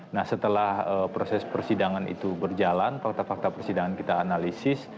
nah setelah proses persidangan itu berjalan fakta fakta persidangan kita analisis